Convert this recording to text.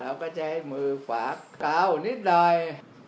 เราก็จะมือฝากใกล้นิดหน่อย